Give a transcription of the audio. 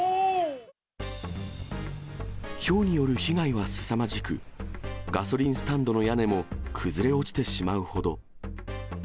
ひょうによる被害はすさまじく、ガソリンスタンドの屋根も崩れ落ちてしまうほど。